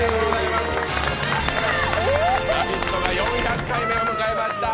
「ラヴィット！」が４００回目を迎えました。